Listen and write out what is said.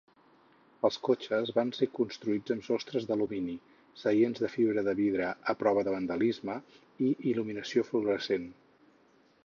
Els cotxes van ser construïts amb sostres d'alumini, seients de fibra de vidre a prova de vandalisme i il·luminació fluorescent.